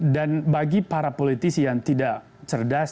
dan bagi para politisi yang tidak cerdas